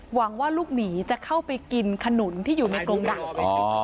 หวังว่าลูกหมีจะเข้าไปกินขนุนที่อยู่ในกรงดัก